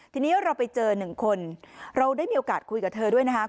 ทีนี้เราไปเจอหนึ่งคนเราได้มีโอกาสคุยกับเธอด้วยนะคะ